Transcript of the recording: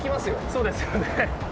そうですよね。